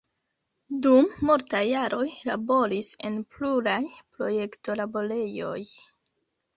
Dum multaj jaroj laboris en pluraj projekto-laborejoj.